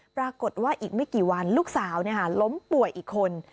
ปรากฏว่าอีกไม่กี่วันลูกสาวล้มป่วยอีกคน